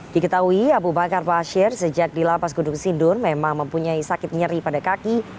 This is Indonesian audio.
diketahui abu bakar ba'asyir sejak dilapas guduk sindur memang mempunyai sakit nyeri pada kaki